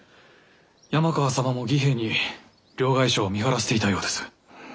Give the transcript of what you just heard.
山川様も儀兵衛に両替商を見張らせていたようです。